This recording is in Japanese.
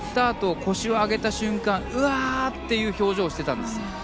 あと腰を上げた瞬間、うわーっていう表情をしていたんです。